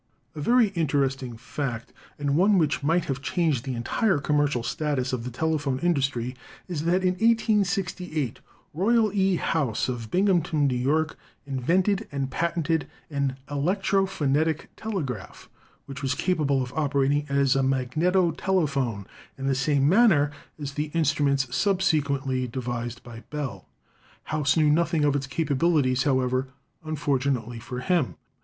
A very interesting fact, and one which might have changed the entire commercial status of the telephone in dustry, is that in 1868 Royal E. House, of Binghamton, N. Y., invented and patented an "electro phonetic tele graph," which was capable of operating as a magneto telephone, in the same manner as the instruments subse THE TELEPHONE 267 quently devised by Bell. House knew nothing of its ca pabilities, however, unfortunately for him.